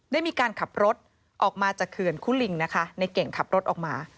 ได้มีการขับรถออกมาจากเขื่อนคุลิงนะคะในเก่งขับรถออกมา